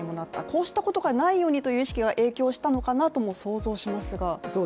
こうしたことがないようにという意識が影響したのかなとも想像しますが。